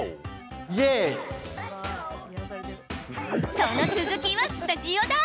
その続きは、スタジオだ！